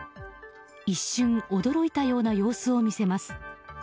一瞬驚いたような様子を見せます。